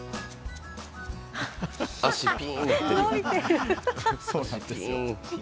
足、ピン！って。